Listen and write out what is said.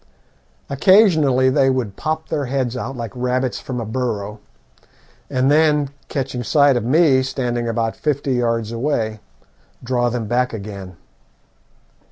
Occasionally they would pop their heads out like rabbits from a burrow, and then, catching sight of me standing about fifty yards away, draw them back again.